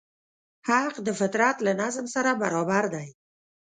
حق د فطرت له نظم سره برابر دی.